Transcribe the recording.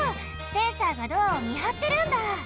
センサーがドアをみはってるんだ！